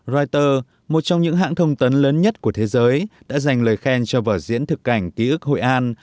reuters một trong những hãng thông tấn lớn nhất của thế giới đã dành lời khen cho vở diễn thực cảnh ký ức hội an